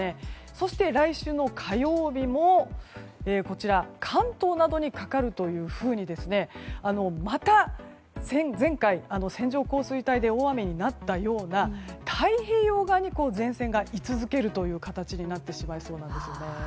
そして来週の火曜日も関東などにかかるというふうにまた前回、線状降水帯で大雨になったような太平洋側に前線がいる形になってしまいそうなんです。